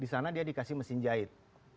di sana dia dikasih mesin jahit